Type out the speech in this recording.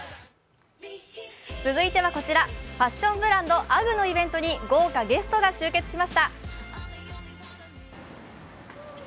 続いてはこちら、ファッションブランドＵＧＧのイベントに豪華ゲストが登場しました。